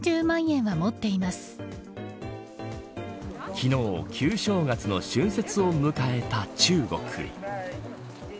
昨日旧正月の春節を迎えた中国。